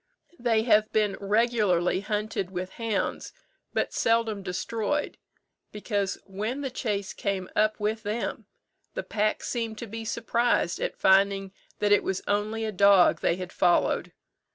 They have been regularly hunted with hounds, but seldom destroyed, because when the chase came up with them, the pack seemed to be surprised at finding that it was only a dog they had followed.